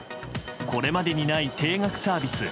これまでにない定額サービス